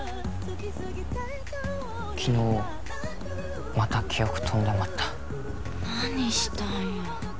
昨日また記憶とんでまった何したんよ？